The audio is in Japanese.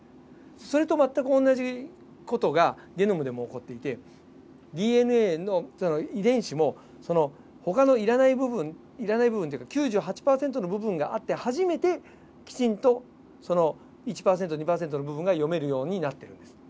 それと全く同じ事がゲノムでも起こっていてＤＮＡの遺伝子もほかの要らない部分要らない部分というか９８％の部分があって初めてきちんと１％２％の部分が読めるようになってるんです。